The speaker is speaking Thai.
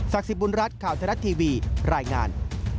ศักดีบุญรัติข่าวทะลัดทีวีรายงาน